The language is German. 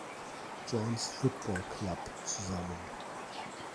John’s Football Club“ zusammen.